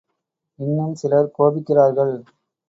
இன்னும் சிலர் கோபிக்கிறார்கள்.